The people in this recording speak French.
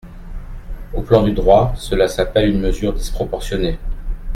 Au plan du droit, cela s’appelle une mesure disproportionnée.